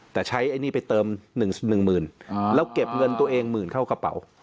แต่ใช้ไอ้นี่ไปเติม๑หมื่นแล้วเก็บเงินตัวเองหมื่นเข้ากระเป๋า